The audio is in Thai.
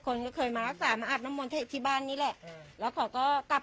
ก็เขาสร้างข่าวจังไหนกับ